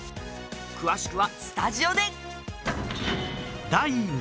詳しくはスタジオで！